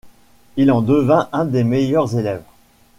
Il en devint un des meilleurs élèves.